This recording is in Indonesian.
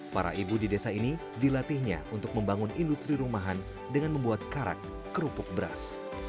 para ibu di desa ini dilatihnya untuk membangun industri rumahan dengan membuat karak kerupuk beras